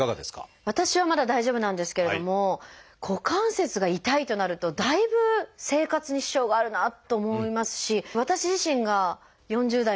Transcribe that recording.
私はまだ大丈夫なんですけれども股関節が痛いとなるとだいぶ生活に支障があるなあと思いますし私自身が４０代